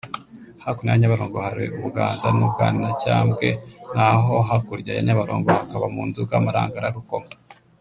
Hakuno ya Nyabarongo hari u-Buganza n’u-Bwanacyambwe naho hakurya ya Nyabarongo hakaba mu Nduga-Marangara-Rukoma